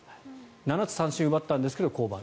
７つ三振奪ったんですが降板。